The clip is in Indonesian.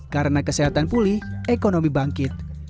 karena kesehatan pulih ekonomi bangkit